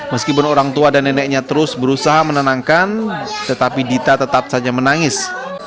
meskipun orang tua dan neneknya terus berusaha menenangkan tetapi dita tetap saja menangis